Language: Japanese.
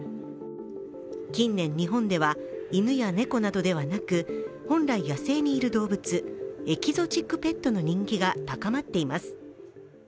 近年日本では、犬や猫などではなく本来野生にいる動物、エキゾチックペットの人気が高まっています。